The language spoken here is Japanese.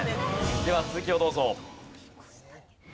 では続きをどうぞ。